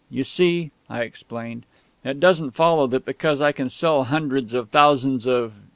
You see," I explained, "it doesn't follow that because I can sell hundreds of thousands of...